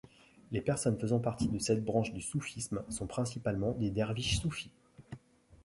Les personnes faisant partie de cette branche du soufisme sont principalement des derviches soufis.